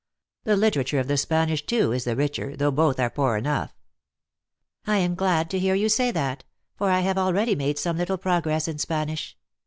The literature of the Spanish, too, is the richer, though both are poor enough." " I am glad to hear you say that ; for I have al ready made some little progress in Spanish.